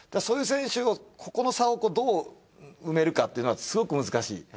そういう選手をここの差をどう埋めるかっていうのがすごく難しい。